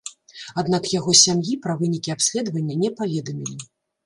Аднак яго сям'і пра вынікі абследавання не паведамілі.